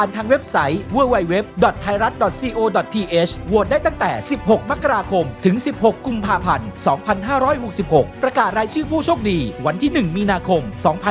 การรายชื่อผู้โชคดีวันที่๑มีนาคม๒๕๖๖